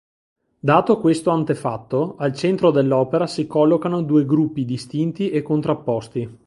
Dato questo antefatto, al centro dell'opera si collocano due gruppi distinti e contrapposti.